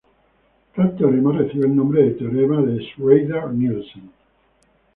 Tal teorema recibe el nombre de Teorema de Schreier-Nielsen.